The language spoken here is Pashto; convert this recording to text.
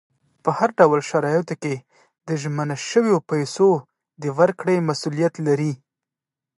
په هر ډول شرایطو کې د ژمنه شویو پیسو د ورکړې مسولیت لري.